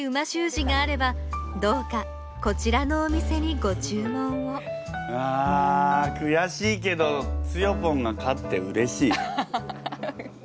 字があればどうかこちらのお店にご注文をああくやしいけどつよぽんが勝ってうれしい。